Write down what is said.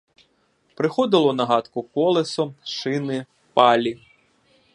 Приходили на гадку колесо, шини, палі.